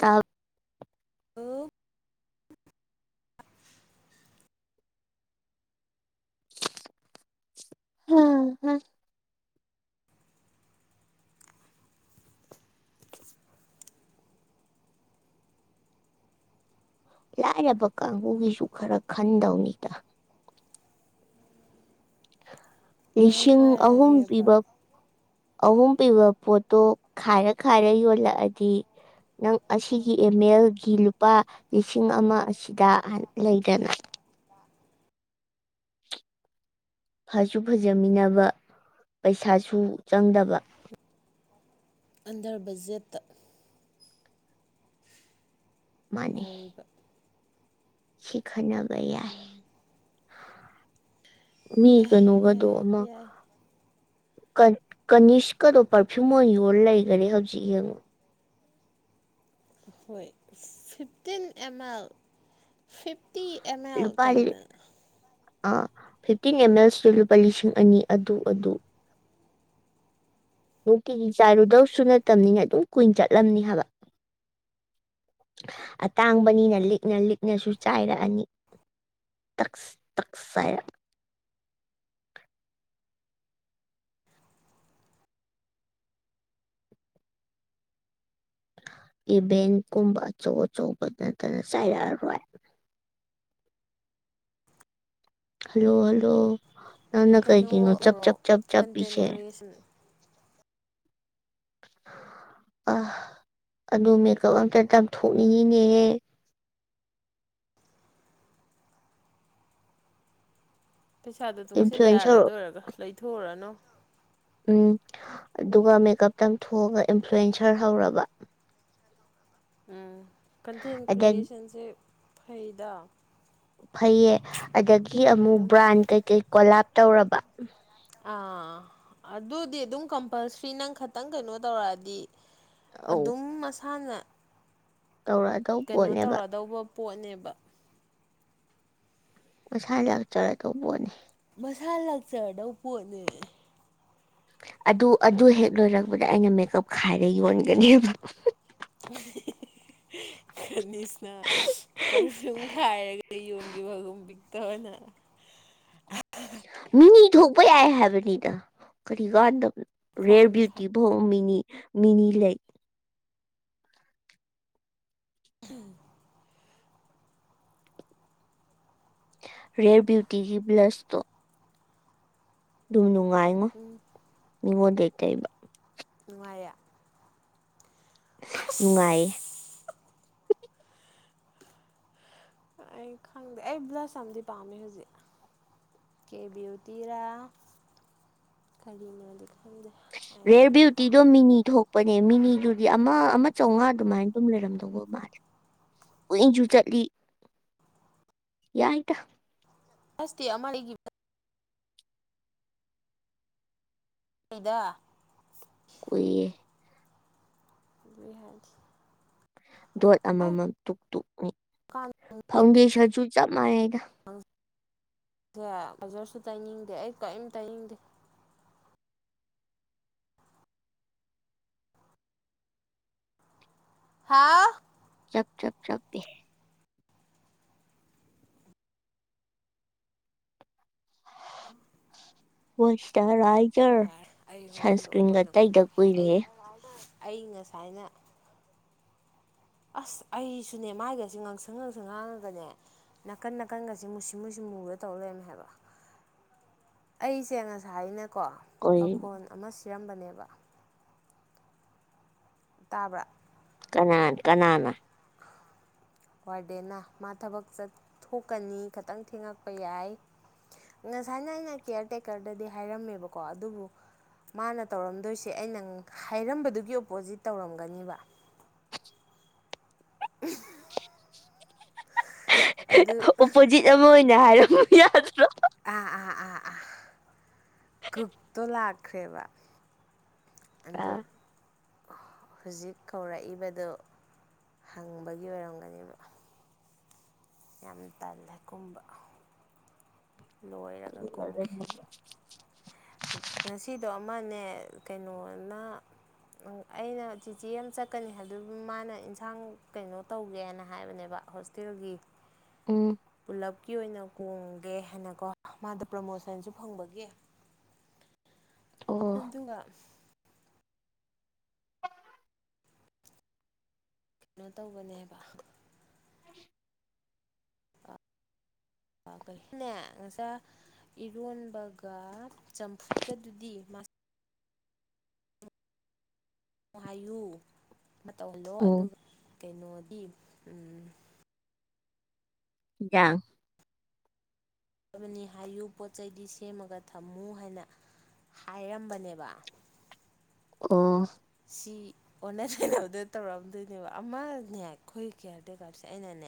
ꯇꯞ ꯎ [unintelligible] [inaudible] ꯂꯥꯏꯔꯕ ꯀꯥꯡꯕꯨꯒꯤꯁꯨ ꯈꯔ ꯈꯟꯗꯧꯅꯤꯗ ꯑꯩ ꯂꯤꯁꯤꯡ ꯑꯍꯨꯝ ꯍꯥꯏꯔꯒꯦꯕ ꯄꯤꯕ ꯑꯍꯨꯝ ꯄꯤꯕ ꯄꯣꯠꯇꯣ ꯈꯥꯏꯔ ꯈꯥꯏꯔ ꯌꯣꯜꯂꯛꯑꯗꯤ ꯅꯪ ꯑꯁꯤꯒꯤ ꯑꯃꯦꯜꯒꯤ ꯂꯨꯄꯥ ꯂꯤꯁꯤꯡ ꯑꯃ ꯑꯁꯤꯗ ꯂꯩꯗꯅ ꯐꯁꯨ ꯐꯖꯃꯤꯟꯅꯕ ꯄꯩꯁꯥꯁꯨ ꯆꯪꯗꯕ ꯑꯟꯗꯔ ꯕꯖꯦꯠꯇ ꯃꯥꯅꯤ ꯑꯣꯏꯕ ꯁꯤꯈꯅ ꯕ ꯌꯥꯏ ꯃꯤ ꯌꯥꯏ ꯀꯩꯅꯣꯒꯗꯣ ꯌꯥꯏ ꯑꯃ ꯌꯥꯏ ꯀ ꯀꯅꯤꯁꯀꯗꯣ ꯄꯔꯐ꯭ꯌꯨꯝ ꯑꯣꯏꯅ ꯌꯣꯜ ꯂꯩꯒꯔꯦ ꯍꯧꯖꯤꯛ ꯌꯦꯡꯉꯨ ꯍꯣꯏ fifteen M L fifty ꯑꯦꯃꯦꯜ ꯇꯧꯗ ꯑꯥ ꯐꯤꯞꯇꯤꯟ ꯑꯦꯝ ꯑꯦꯜ ꯁꯨꯂꯕ ꯂꯤꯁꯤꯡ ꯑꯅꯤ ꯑꯗꯨ ꯑꯗꯨ ꯅꯨꯡꯇꯤꯒꯤ ꯆꯥꯏꯔꯨꯗꯧꯁꯨ ꯅꯠꯇꯕꯅꯤꯅ ꯑꯗꯨꯝ ꯀꯨꯏꯟ ꯆꯠꯂꯝꯅꯤ ꯍꯥꯏꯕ ꯑꯇꯥꯡꯕꯅꯤꯅ ꯂꯤꯛꯅ ꯂꯤꯛꯅꯁꯨ ꯆꯥꯏꯔꯛꯑꯅꯤ ꯇꯛꯁ ꯇꯛꯁ ꯆꯥꯏꯔꯛ ꯏꯚꯦꯟ ꯀꯨꯝꯕ ꯑꯆꯧ ꯑꯆꯧꯕꯗ ꯅꯠꯇꯅ ꯆꯥꯏꯔꯛꯑꯔꯣꯏ ꯍꯜꯂꯣ ꯍꯜꯂꯣ ꯅꯪꯅ ꯀꯩꯅꯣ ꯀꯩꯒꯤꯅꯣ ꯆꯞ ꯇꯧꯔꯣ ꯆꯞ ꯆꯞ ꯆꯞ ꯀꯟꯇꯦꯟ ꯄꯤꯁꯦ ꯀ꯭ꯔꯤꯌꯦꯁꯟ ꯑ ꯑꯗꯨ ꯃꯦꯀꯞ ꯑꯝꯇ ꯇꯝꯊꯣꯛꯅꯤꯡꯉꯤꯅꯦꯍꯦ ꯄꯩꯁꯥꯗꯣ ꯇꯨꯡꯁꯤꯜꯂꯦ ꯌꯥꯔꯦ ꯏꯟꯐ꯭ꯂꯨꯌꯦꯟꯁꯔ ꯑꯗꯨꯑꯣꯏꯔꯒ ꯂꯩꯊꯣꯛꯎꯔꯅꯨ ꯎꯝ ꯑꯗꯨꯒ ꯃꯦꯀꯞꯇꯪ ꯊꯣꯛꯑꯒ ꯏꯟꯐ꯭ꯂꯨꯌꯦꯟꯁꯔ ꯍꯧꯔꯕ ꯎꯝ ꯀꯟꯇꯦꯟ ꯑꯗ ꯀ꯭ꯔꯤꯌꯦꯁꯟꯁꯦ ꯐꯩꯗ ꯐꯩꯌꯦ ꯑꯗꯒꯤ ꯑꯃꯨꯛ ꯑꯗꯨꯝ ꯕ꯭ꯔꯥꯟ ꯀꯩꯀꯩ ꯀꯣꯂꯥꯞ ꯇꯧꯔꯕ ꯑꯥ ꯑꯗꯨꯗꯤ ꯑꯗꯨꯝ ꯀꯝꯄꯜꯁ꯭ꯔꯤ ꯅꯪ ꯈꯇꯪ ꯀꯩꯅꯣ ꯇꯧꯔꯛꯑꯗꯤ ꯑꯧ ꯑꯗꯨꯝ ꯃꯁꯥ ꯊꯅ ꯇꯧꯔꯛꯑꯗꯧ ꯀꯩꯅꯣ ꯄꯣꯠꯅꯦꯕ ꯇꯧꯔꯗꯧꯕ ꯄꯣꯠꯅꯦꯕ ꯄꯩꯁꯥ ꯂꯥꯛ ꯆꯔꯗꯧꯄꯣꯠꯅꯤ ꯃꯁꯥ ꯂꯥꯛꯆꯔꯗꯧ ꯄꯣꯠꯅꯦ ꯑꯗꯨ ꯑꯗꯨ ꯍꯦꯛ ꯂꯣꯏꯔꯛꯄꯗ ꯑꯩꯅ ꯃꯦꯀꯞ ꯈꯥꯏꯔ ꯌꯣꯟꯒꯅꯦꯕ ꯈꯅꯤꯁꯅ ꯄꯔꯐ꯭ꯤꯌꯨꯝ ꯈꯥꯏꯔꯒꯗꯤ ꯌꯣꯟꯈꯤꯕꯒꯨꯝ ꯄꯤꯛꯇꯕꯅ ꯃꯤꯅꯤ ꯊꯣꯛꯄ ꯌꯥꯏ ꯍꯥꯏꯕꯅꯤꯗ ꯀꯔꯤ ꯀꯥꯟꯗꯕ ꯔꯦꯌꯔ ꯐꯥꯎꯟꯒꯤ ꯕꯤꯌꯨꯇꯤ ꯁꯥꯇꯤꯟ ꯐꯥꯎ ꯃꯤꯅꯤ ꯃꯤꯅꯤ ꯂꯩ ꯎꯝ ꯔꯦꯌꯔ ꯕ꯭ꯌꯨꯇꯤꯒꯤ ꯕ꯭ꯂꯁꯇꯣ ꯗꯨ ꯅꯨꯡ ꯅꯨꯡꯉꯥꯏꯉꯣ ꯃꯤꯉꯣꯟꯗꯩ ꯇꯩꯕ ꯅꯨꯡꯉꯥꯏꯌꯦ ꯅꯨꯡꯉꯥꯏꯌꯦ ꯑꯩ ꯈꯪꯗꯦ ꯑꯩ ꯕ꯭ꯂꯁ ꯑꯝꯗꯤ ꯄꯥꯝꯃꯦ ꯍꯧꯖꯤꯛ ꯀꯦ ꯕ꯭ꯌꯨꯇꯤꯔꯥ ꯀꯔꯤꯅꯣꯗꯤ ꯈꯪꯗꯦ ꯑꯩ ꯔꯦꯌꯔ ꯑꯃꯗꯤ ꯕ꯭ꯌꯨꯇꯤꯗꯣ ꯄꯥꯝꯃꯦ ꯃꯤꯅꯤ ꯊꯣꯛꯄꯅꯦꯕ ꯃꯤꯅꯤꯗꯨꯗꯤ ꯑꯃ ꯑꯃ ꯆꯥꯝꯃꯉꯥ ꯑꯗꯨꯃꯥꯏꯅ ꯑꯗꯨꯝ ꯂꯩꯔꯝꯗꯧꯕ ꯃꯥꯜꯂꯦ ꯀꯨꯏꯟꯁꯨ ꯆꯠꯂꯤ ꯌꯥꯏꯗ ꯑꯁꯇꯦ ꯑꯃ ꯂꯩꯒꯤꯕꯗꯨ [inaudible] ꯐꯩꯗ ꯀꯨꯏꯌꯦ ꯕꯤꯍ ꯗꯣꯠ ꯑꯃꯃꯝ ꯇꯨꯛ ꯇꯣꯛꯏ ꯐꯥꯎꯗꯦꯁꯟꯁꯨ ꯆꯞ ꯃꯥꯅꯩ ꯑ ꯀꯌꯥ ꯑꯣꯖꯔꯁꯨ ꯇꯩꯅꯤꯡꯗꯦ ꯑꯩ ꯀꯔꯤꯝ ꯇꯩꯅꯤꯡꯗꯦ ꯍꯥꯎ ꯆꯞ ꯆꯞ ꯆꯞ ꯃꯣꯏꯁꯇꯨꯔꯥꯏ ꯌꯥꯔꯦ ꯑꯩ ꯍꯣꯔꯦꯟ ꯂꯣꯏꯔ ꯑꯣꯏꯅ ꯀꯨꯝꯃꯒꯦ ꯑꯩ ꯀꯨꯏꯔꯦ ꯑꯩ ꯉꯁꯥꯏꯅ ꯑꯁ ꯑꯩꯁꯨꯅꯦ ꯃꯥꯏꯒꯁꯤ ꯉꯥꯡꯁꯪ ꯉꯥꯡꯁꯪ ꯉꯥꯡꯉꯒꯅꯦ ꯅꯥꯀꯟ ꯅꯥꯀꯟꯒꯁꯦ ꯃꯨꯁꯤ ꯃꯨꯁꯤ ꯃꯨꯔ ꯇꯧ ꯂꯩꯔꯝꯃ‌ꯦ ꯍꯥꯏꯕ ꯑꯩꯁꯦ ꯉꯁꯥꯏꯅ ꯀꯣ ꯑꯣꯏ ꯄꯥꯈꯣꯟ ꯑꯃ ꯁꯤꯔꯝꯕꯅꯦꯕ ꯕ ꯇꯥꯕ꯭ꯔꯥ ꯀꯅꯥꯥꯟ ꯀꯅꯥꯅ ꯋꯥꯔꯗꯦꯟꯅ ꯃꯥ ꯊꯕꯛ ꯆꯠꯊꯣꯛꯀꯅꯤ ꯈꯤꯇꯪ ꯊꯦꯡꯉꯛꯄ ꯌꯥꯏ ꯉꯁꯥꯏꯅ ꯑꯩꯅ ꯀꯦꯌꯔ ꯇꯦꯛꯀꯔꯗꯗꯤ ꯍꯥꯏꯔꯝꯃꯦꯕꯀꯣ ꯑꯗꯨꯕꯨ ꯃꯥꯅ ꯇꯧꯔꯝꯗꯣꯏꯁꯦ ꯑꯩꯅ ꯍꯥꯏꯔꯝꯕꯗꯨꯒꯤ ꯑꯣꯄꯣꯖꯤꯠ ꯇꯧꯔꯝꯒꯅꯤꯕ ꯑ꯭ꯍꯨꯡ ꯑꯣꯄꯣꯖꯤꯠ ꯑꯃ ꯑꯣꯏꯅ ꯍꯥꯏꯔꯣ [unintelligible] ꯑꯥ ꯑꯥ ꯑꯥ ꯑꯥ ꯈ꯭ꯔꯦꯕ ꯑ ꯑꯗꯣ ꯍꯧꯖꯤꯛ ꯀꯧꯔꯛꯏꯕꯗꯨ ꯍꯪꯕꯒꯤ ꯑꯣꯏꯔꯝꯒꯅꯦꯕ ꯌꯥꯝ ꯇꯜꯂꯦ ꯀꯨꯝꯕ ꯂꯣꯏꯔꯒ ꯀꯨꯝꯒ‌ꯦ ꯉꯁꯤꯗꯣ ꯑꯃꯅꯦ ꯀꯩꯅꯣꯅ ꯑꯩꯅ ꯆꯤꯆꯦ ꯑꯃ ꯆꯠꯀꯅꯤ ꯑꯗꯨꯕꯨ ꯃꯥꯅ ꯏꯟꯁꯥꯡ ꯀꯩꯅꯣ ꯇꯧꯒꯦꯅ ꯍꯥꯏꯕꯅꯦꯕ ꯍꯣꯁꯇꯦꯜꯒꯤ ꯎꯝ ꯀꯤ ꯑꯣꯏꯅ ꯀꯣꯡꯒꯦ ꯍꯥꯏꯅꯀꯣ ꯃꯥꯗ ꯄ꯭ꯔꯃꯣꯁꯟꯁꯨ ꯐꯪꯕꯒꯤ ꯑꯣ ꯑꯗꯨꯒ ꯀꯩꯅꯣ ꯇꯧꯕꯅꯦꯕ [inaudible] ꯑꯥ ꯀꯔꯤꯅꯦ ꯉꯁꯥꯏ ꯏꯔꯣꯟꯕꯒ ꯆꯝꯐꯨꯠꯀꯗꯨꯗꯤ ꯅꯨꯡꯉꯌꯨ [unintelligible] ꯃꯇꯧꯍꯜꯂꯣ ꯎꯝ ꯑꯗꯨꯒ ꯀꯩꯅꯣ ꯏ ꯎꯝ ꯌꯥꯡ ꯕꯅꯤ ꯍꯥꯏꯌꯨ ꯄꯣꯠ ꯆꯩꯗꯤ ꯁꯦꯝꯃꯒ ꯊꯝꯃꯨ ꯍꯥꯏꯅ ꯍꯥꯏꯔꯝꯕꯅꯦꯕ ꯑꯣ ꯁꯤ ꯑꯣꯟꯅ ꯇꯩꯅꯕꯗꯥ ꯇꯧꯔꯛꯑꯝꯗꯣꯏꯅꯦꯕ ꯑꯃꯅꯦ ꯑꯩꯈꯣꯏ ꯀꯦꯌꯥꯔ ꯇ‌ꯦꯀꯤꯔꯁꯦ ꯑꯩꯅꯅꯦ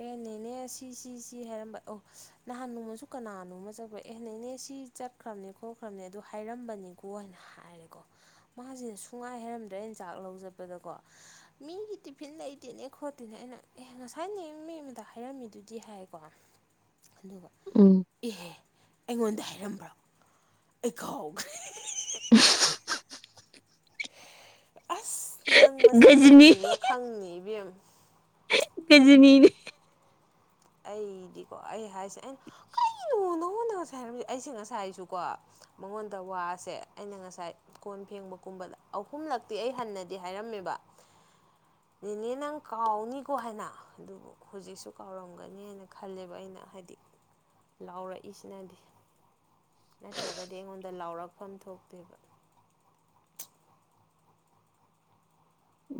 ꯑꯦꯅꯦꯅꯦ ꯁꯤꯁꯤ ꯁꯤ ꯍꯥꯏꯔꯝꯕ ꯑꯣ ꯅꯍꯥꯟ ꯅꯣꯡꯃꯁꯨ ꯀꯅꯥꯅꯣꯝꯃ ꯆꯠꯄ ꯑꯦꯍꯅꯦꯅꯦ ꯁꯤ ꯆꯠꯈ꯭ꯔꯕꯅꯦ ꯈꯣꯠꯈ꯭ꯔꯕꯅꯦ ꯑꯗꯨ ꯍꯥꯏꯔꯝꯕꯅꯤꯀꯣ ꯍꯥꯏꯅ ꯍꯥꯏꯔꯦꯀꯣ ꯃꯥꯁꯤꯅ ꯁꯨꯡꯉꯥꯏ ꯍꯥꯏꯔꯝꯗ꯭ꯔ ꯑꯩꯅꯥ ꯆꯥꯛ ꯂꯧꯆꯠꯕꯗꯀꯣ ꯃꯤꯒꯤ ꯇꯤꯐꯤꯟ ꯂꯩꯇꯦꯅꯦ ꯈꯣꯠꯇꯦꯅꯦ ꯑꯩꯅ ꯑꯦꯍ ꯉꯁꯥꯏꯅꯦ ꯃꯤ ꯑꯃꯗ ꯍꯥꯏꯔꯝꯃꯤꯗꯨꯗꯤ ꯍꯥꯏꯀꯣ ꯑꯗꯨꯒ ꯎꯝ ꯏꯍꯦ ꯑꯩꯉꯣꯟꯗ ꯍꯥꯏꯔꯝꯕ꯭ꯔꯣ ꯑꯩ ꯀꯥꯎꯈ꯭ꯔꯦ ꯎꯍ [unintelligible] ꯑꯁ ꯅꯪ ꯃꯁꯛꯇꯨꯁꯨ ꯒꯖꯅꯤ ꯎꯔ ꯈꯪꯅꯤ ꯏꯕꯦꯝ ꯀꯖꯅꯤ ꯑꯩꯗꯤꯀꯣ ꯑꯩ ꯍꯥꯏꯁꯦ ꯑꯩꯅ ꯀꯩꯅꫭ ꯅꯪꯑꫭꯟꯗ ꯉꯁꯥꯏ ꯍꯥꯏꯔꯝ ꯑꯩꯁꯦ ꯉꯁꯥꯏꯑꯌꯨꯛꯁꯨꯀꯣ ꯃꯉꯣꯟꯗ ꯋꯥꯁꯦ ꯑꯩꯅ ꯉꯁꯥꯏ ꯀꯣꯟ ꯐꯦꯡꯕꯒꯨꯝꯕꯗ ꯑꯍꯨꯝꯂꯛꯇꯤ ꯑꯩ ꯍꯟꯅꯗꯤ ꯍꯥꯏꯔꯝꯃꯦꯕ ꯅꯦꯅꯦ ꯅꯪ ꯀꯥꯎꯅꯤꯀꯣ ꯍꯥꯏꯅ ꯑꯗꯨꯕꯨ ꯍꯧꯖꯤꯛꯁꯨ ꯀꯥꯎꯔꯝ ꯉꯪꯒꯅꯦꯅ ꯈꯜꯂꯦꯕ ꯑꯩꯅ ꯍꯥꯏꯗꯤ ꯂꯥꯎꯔꯛꯏꯁꯤꯅꯗꯤ ꯅꯠꯇ꯭ꯔꯒꯗꯤ ꯑꯩꯉꯣꯟꯗ ꯂꯥꯎꯔꯛꯐꯝ ꯊꯣꯛꯇꯦꯕ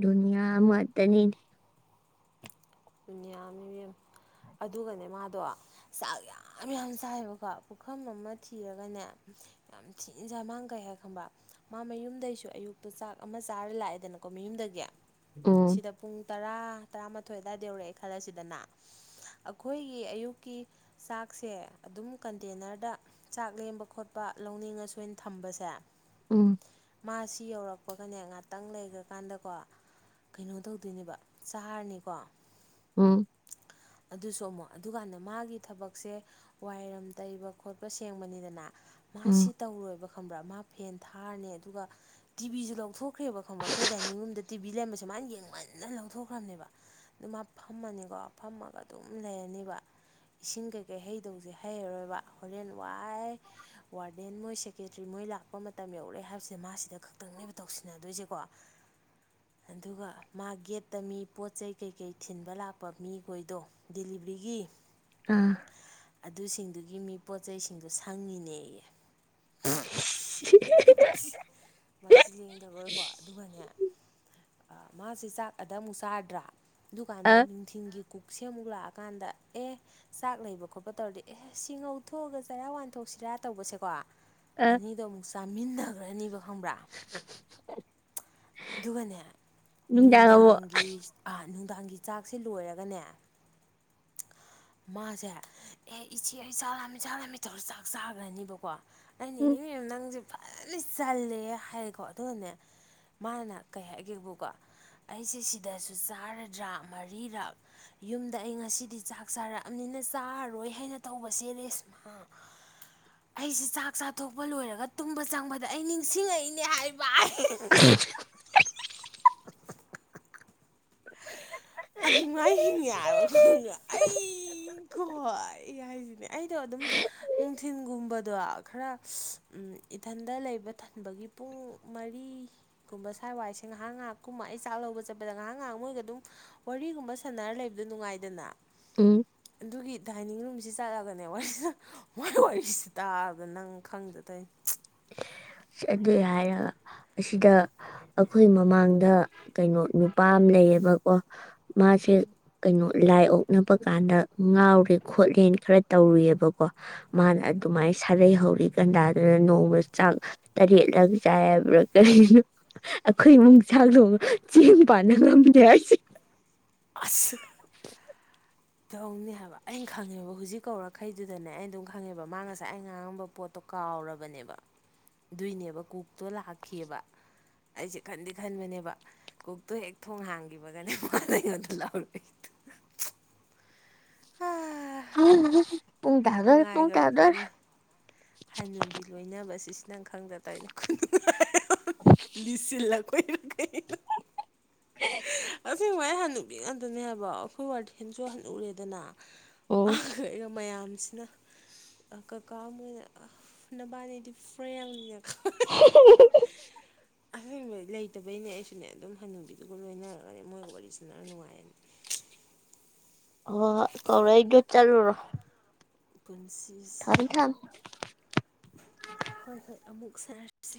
ꯗꯨꯅꯤꯌꯥ ꯑꯃꯠꯇꯅꯤꯗꯤ ꯅꯤꯌꯥ ꯃꯦꯝ ꯑꯗꯨꯒꯅꯦ ꯃꯥꯗꯣ ꯆꯥꯛ ꯌꯥꯝ ꯌꯥꯝ ꯆꯥꯏꯕꯀꯣ ꯄꯨꯈꯝ ꯑꯃ ꯊꯤꯔꯒꯅꯦ ꯌꯥꯝ ꯊꯤꯟꯅ ꯆꯥꯏ ꯃꯥꯅꯀꯩꯍꯥꯏ ꯈꯪꯕꯔ ꯃꯥ ꯃꯌꯨꯝꯗꯩꯁꯨ ꯑꯌꯨꯛꯇꯨ ꯆꯥꯛ ꯑꯃ ꯆꯥꯔ ꯂꯥꯛꯑꯦꯗꯅꯀꯣ ꯃꯌꯨꯝꯗꯒꯤ ꯎꯝ ꯁꯤꯗ ꯄꯨꯡ ꯇꯔꯥ ꯇꯔꯥ ꯃꯥꯊꯣꯏ ꯀꯗꯥꯏꯗ ꯌꯧꯔꯛꯑꯦ ꯈꯜꯂꯁꯤꯗꯅ ꯑꯩꯈꯣꯏꯒꯤ ꯑꯌꯨꯛꯀꯤ ꯆꯥꯛꯁꯦ ꯑꯗꯨꯝ ꯀꯟꯇꯦꯅꯔꯗ ꯆꯥꯛ ꯂꯦꯝꯕ ꯈꯣꯠꯄ ꯂꯧꯅꯤꯡ ꯑꯁꯨ ꯑꯩꯅ ꯊꯝꯕꯁꯦ ꯎꯝ ꯃꯥꯁꯤ ꯌꯧꯔꯛꯄꯒꯅꯦ ꯉꯥꯛꯇꯪ ꯂꯩꯈ꯭ꯔ ꯀꯥꯟꯗꯀꯣ ꯀꯩꯅꯣ ꯇꯧꯗꯣꯏꯅꯦꯕ ꯆꯍꯥꯔꯅꯤꯀꯣ ꯎꯝ ꯑꯗꯨ ꯁꯣ ꯑꯃꯨꯛ ꯑꯗꯨꯀꯥꯟꯗ ꯃꯥꯒꯤ ꯊꯕꯛꯁꯦ ꯋꯥꯏꯔꯝ ꯇꯩꯕ ꯈꯣꯠꯄ ꯁꯦꯡꯕꯅꯤꯗꯅ ꯃꯥꯁꯤ ꯎꯝ ꯇꯧꯔꯣꯏꯕ ꯈꯪꯕ꯭ꯔꯥ ꯃꯥ ꯐꯦꯟ ꯊꯥꯔꯅꯤ ꯑꯗꯨꯒ ꯇꯤꯚꯤꯁꯨ ꯂꯧꯊꯣꯛ [unintelligible] ꯕ ꯈꯪꯕ꯭ꯔ ꯑꯩꯈꯣꯏ ꯗꯥꯏꯅꯤꯡ ꯔꯨꯝꯗ ꯇꯤꯚꯕꯤ ꯂꯩꯔꯝꯕꯁꯦ ꯃꯥꯅ ꯌꯦꯡꯃꯟꯅ ꯂꯧꯊꯣꯛꯈ꯭ꯔꯕꯅꯦꯕ ꯑꯗꯨꯝ ꯃꯥ ꯐꯝꯃꯅꯤꯀꯣ ꯐꯝꯃꯒ ꯑꯗꯨꯝ ꯂꯩꯔꯅꯤꯕ ꯏꯁꯤꯡ ꯀꯩꯀꯩ ꯍꯩꯗꯧꯁꯦ ꯍꯩꯔꯔꯣꯏꯕ ꯍꯣꯔꯦꯟ ꯋꯥꯏ ꯋꯥꯔꯗꯦꯟ ꯃꯣꯏ ꯁꯦꯀꯦꯇꯔꯤ ꯃꯣꯏ ꯂꯥꯛꯄ ꯃꯇꯝ ꯌꯧꯔꯑꯦ ꯍꯥꯏꯕꯕꯁꯤꯗ ꯃꯥꯁꯤꯗ ꯈꯛꯇꯪꯅꯦꯕ ꯇꯧꯁꯤꯟꯅꯗꯣꯏꯁꯦꯀꯣ ꯑꯗꯨꯒ ꯃꯥ ꯒꯦꯠꯇ ꯃꯤ ꯄꯣꯠ ꯆꯩ ꯀꯩꯀꯩ ꯊꯤꯟꯕ ꯂꯥꯛꯄ ꯃꯤꯈꯣꯏꯗꯣ ꯗꯤꯂꯤꯕ꯭ꯔꯤꯒꯤ ꯑꯥ ꯑꯗꯨꯁꯤꯡꯗꯨꯒꯤ ꯃꯤ ꯄꯣꯠ ꯆꯩꯁꯤꯡꯗꯣ ꯁꯪꯉꯤꯅꯦ ꯌꯦ [inaudible] ꯁꯤ ꯂꯦꯡꯗꯕꯣꯏ ꯀꯣ ꯑꯗꯨꯒꯅꯦ ꯑ ꯃꯥꯁꯦ ꯆꯥꯛ ꯑꯗ ꯑꯃꯨꯛ ꯆꯥꯔꯥꯗ꯭ꯔꯥ ꯑ ꯑꯗꯨꯀꯥꯟꯗ ꯅꯨꯡꯊꯤꯟꯒꯤ ꯀꯨꯛꯁꯦ ꯑꯃꯨꯛ ꯂꯥꯛꯑꯒ ꯀꯥꯟꯗ ꯑꯦ ꯆꯥꯛ ꯂꯩꯕ ꯈꯣꯠꯄ ꯇꯧꯔꯗꯤ ꯑꯦ ꯁꯤꯡꯉꯧ ꯊꯣꯛꯑꯒ ꯆꯔꯥ ꯋꯥꯟꯊꯣꯛꯁꯤꯔꯥ ꯇꯧꯕꯁꯦꯀꯣ ꯑ ꯑꯅꯤꯗꯣ ꯑꯃꯨꯛ ꯆꯥꯃꯤꯟꯅꯒꯔ ꯅꯤꯕ ꯈꯪꯕ꯭ꯔꯥ ꯑꯗꯨꯒꯅꯦ ꯅꯨꯡꯗꯥꯡ ꯑꯃꯨꯛ ꯅꯨꯡꯗꯥꯡꯒꯤ ꯑꯥꯠ ꯅꯨꯡꯗꯥꯡꯒꯤ ꯆꯥꯛꯁꯦ ꯂꯣꯏꯔꯒꯅꯦ ꯃꯥꯖꯦ ꯑꯦ ꯏꯆꯦ ꯑꯩ ꯆꯥꯔꯃꯤ ꯆꯥꯔꯃꯤ ꯇꯧ ꯆꯥꯛ ꯆꯥꯈ꯭ꯔꯅꯤꯕꯀꯣ ꯑꯩꯅ ꯎꯝ ꯏꯅꯦꯃꯤꯨꯝ ꯅꯪꯁꯦ ꯐꯖꯅ ꯆꯜꯂꯦ ꯍꯥꯏꯌꯦꯀꯣ ꯑꯗꯨꯅꯅꯦ ꯃꯥꯅ ꯀꯩ ꯍꯥꯏꯒꯦꯕꯨꯀꯣ ꯑꯩꯁꯦ ꯁꯤꯗꯁꯨ ꯆꯥꯔꯗ꯭ꯔꯥ ꯃꯔꯤꯔꯛ ꯌꯨꯝꯗ ꯑꯩ ꯉꯁꯤ ꯗꯤ ꯆꯥꯛ ꯆꯥꯔꯛꯑꯕꯅꯤꯅ ꯆꯥꯔꯔꯣꯏ ꯍꯥꯏꯅ ꯇꯧꯕꯁꯦ ꯔꯦꯁꯃ ꯑꯩꯁꯦ ꯆꯥꯛ ꯆꯥꯊꯣꯛꯄ ꯂꯣꯏꯔꯒ ꯇꯨꯝꯕ ꯆꯪꯕꯗ ꯑꯩ ꯅꯤꯡꯁꯤꯡꯉꯛꯏꯅꯦ ꯍꯥꯏꯕꯥꯏ [inaudible] ꯑꯗꯨꯉꯥꯏ ꯍꯤꯡ ꯍꯥꯏꯕ ꯑꯩꯀꯣ ꯑꯩ ꯍꯥꯏꯁꯤꯅꯦ ꯑꯩꯗꯣ ꯑꯗꯨꯝ ꯅꯨꯡꯊꯤꯜꯒꯨꯝꯕꯗꯣ ꯈꯔ ꯏꯊꯟꯗ ꯂꯩꯕ ꯊꯟꯕꯒꯤ ꯄꯨꯡ ꯃꯔꯤꯒꯨꯝꯕ ꯁ꯭ꯋꯥꯥꯏ ꯋꯥꯏꯁꯦ ꯉꯥꯏꯍꯥꯛ ꯉꯥꯏꯍꯥꯛꯀꯨꯝꯕ ꯑꯩ ꯆꯥꯛ ꯂꯧꯕ ꯆꯠꯄꯗ ꯉꯥꯏꯍꯥꯛ ꯉꯥꯏꯍꯥꯛ ꯃꯣꯏꯒ ꯑꯗꯨꯝ ꯋꯥꯔꯤꯒꯨꯝꯕ ꯁꯥꯟꯅꯔ ꯂꯩꯕꯗ ꯅꯨꯡꯉꯥꯏꯗꯅ ꯎꯝ ꯑꯗꯨꯒꯤ ꯗꯥꯏꯅꯤꯡ ꯔꯨꯝꯁꯤ ꯆꯠꯂꯒꯅꯦ ꯋꯥꯔꯤꯁꯤ ꯃꯥꯏ ꯋꯥꯔꯤꯁꯤ ꯇꯥꯔꯒ ꯅꯪ ꯈꯪꯗ ꯇꯧꯔꯤꯅꯤ ꯑꯗꯨꯏ ꯍꯥꯏꯔꯒ ꯑꯁꯤꯗ ꯑꯈꯣꯏ ꯃꯃꯥꯡꯗ ꯀꯩꯅꯣ ꯅꯨꯄꯥ ꯑꯃ ꯂꯩꯌꯦꯕꯀꯣ ꯃꯥꯁꯦ ꯀꯩꯅꯣ ꯂꯥꯏ ꯑꯣꯛꯅꯕ ꯀꯥꯟꯗ ꯉꯥꯎꯔꯦ ꯈꯣꯠꯂꯦꯅ ꯈꯔ ꯇꯧꯔꯤꯑꯕꯀꯣ ꯃꯥꯅ ꯑꯗꯨꯃꯥꯏꯅ ꯁꯥꯔꯩ ꯍꯧꯔꯤ [unintelligible] ꯔ ꯅꯣꯡ ꯆꯥꯡ ꯇꯔꯦꯠꯂꯛ ꯆꯥꯏ ꯍꯥꯏꯕ꯭ꯔꯥ ꯀꯔꯤꯅꯣ ꯑꯩꯈꯣꯏ ꯏꯃꯨꯛꯁꯥꯛꯗꯣꯡ ꯆꯦꯡ ꯄꯥꯅ ꯉꯝꯅꯦ ꯍꯥꯏꯁꯦ ꯑꯁ ꯇꯧꯅꯤ ꯇꯕꯔꯥ ꯑꯩꯅ ꯈꯪꯉꯦꯕ ꯍꯧꯖꯤꯛ ꯀꯧꯔꯈꯩꯗꯨꯗꯅꯦ ꯑꯩ ꯑꯗꯨꯝ ꯈꯪꯉꯦꯕ ꯃꯥ ꯉꯁꯥꯏ ꯑꯩ ꯉꯥꯡꯉꯝꯕ ꯄꯣꯠꯇꯣ ꯀꯥꯎꯔꯕꯅꯦꯕ ꯑꯗꯨꯏꯅꯦꯕ ꯀꯛꯇꯣ ꯂꯥꯛꯈꯤꯑꯕ ꯑꯩꯁꯦ ꯈꯟꯗꯤ ꯈꯟꯕꯅꯦꯕ ꯀꯨꯛꯇꯣ ꯍꯦꯛ ꯊꯣꯡ ꯍꯥꯡꯈꯤꯕꯒꯅꯦ ꯗ ꯂꯥꯎꯔꯛꯏꯗꯣ ꯎꯝ ꯅꯨꯡꯉꯥꯏꯈ꯭ꯔ ꯄꯣꯠꯅꯤ ꯍꯅꯨꯕꯤ ꯂꯣꯏꯅꯕꯁꯦ ꯏꯁ ꯅꯪ ꯈꯡꯗ ꯇꯧꯔꯤꯅꯦ ꯈꯨꯅꯨꯡꯉꯥꯏ ꯑꯃꯅꯤ ꯂꯤꯁꯤꯜꯄꯩꯔ ꯀꯩꯅꯣ ꯑꯁꯦꯡꯕ ꯑꯩ ꯍꯥꯟꯅ ꯅꯨꯕꯤ ꯉꯥꯛꯇꯅꯦ ꯍꯏꯕ ꯑꯩꯈꯣꯏ ꯋꯥꯔꯗꯦꯟꯁꯨ ꯍꯥꯅꯨꯔꯦꯗꯅ ꯑꯣ ꯍꯣꯏ [inaudible] ꯃꯌꯥꯝꯁꯤꯅ ꯀꯀꯥ ꯃꯣꯏꯅ ꯅꯕꯥꯅꯤꯗꯤ ꯐ꯭ꯔꯦꯡꯅꯤꯅ [unintelligible] ꯑꯁꯦꯡꯕ ꯂꯩꯇꯕꯩꯅꯦ ꯑꯩꯁꯨꯅꯦ ꯑꯗꯨꯝ ꯍꯟꯅꯕꯤ ꯑꯗꯨꯒ ꯂꯣꯏꯅꯔꯒꯅꯦ ꯃꯣꯏꯒ ꯋꯥꯔꯤ ꯁꯅꯔ ꯅꯨꯡꯉꯥꯏꯌꯦ ꯑꯃ ꯀꯧ ꯔꯛꯏꯗꯣ ꯆꯠꯂꯨꯔꯣ ꯄꯨꯟꯁꯤꯁ ꯊꯝꯃꯦ ꯊꯝꯃꯦ ꯍꯣꯏ ꯍꯣꯏ ꯑꯃꯨꯛ ꯁꯥꯟꯅꯔꯁꯤ